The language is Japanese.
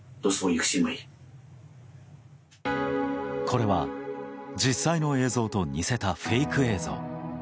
これは実際の映像と似せたフェイク映像。